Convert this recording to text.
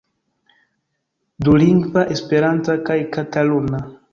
Dulingva, esperanta kaj kataluna.